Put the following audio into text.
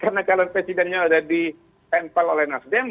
karena calon presidennya sudah ditempel oleh nasjen